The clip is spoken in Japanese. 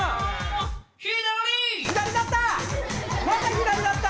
左だった！